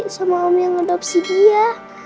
sama om yang mengadopsi dia